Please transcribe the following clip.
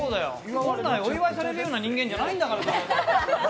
本来お祝いされるような人間じゃないんだからさ。